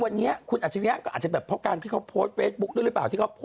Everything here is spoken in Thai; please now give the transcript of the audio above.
เหมือนเป็นคนแขก